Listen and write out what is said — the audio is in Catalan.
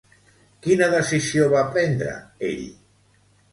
Quina decisió va prendre ell?